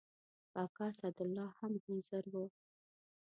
کاکا اسدالله هم حاضر و.